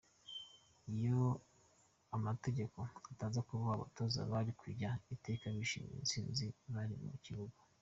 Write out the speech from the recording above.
"Iyo amategeko ataza kubaho, abatoza bari kujya iteka bishimira intsinzi bari mu kibuga .